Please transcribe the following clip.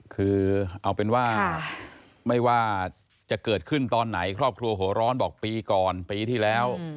คือเอาเป็นว่าไม่ว่าจะเกิดขึ้นตอนไหนครอบครัวหัวร้อนบอกปีก่อนปีที่แล้ว